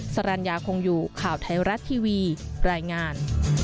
สรรญาคงอยู่ข่าวไทยรัฐทีวีรายงาน